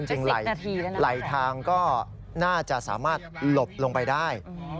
จริงไหลทางก็น่าจะสามารถหลบลงไปได้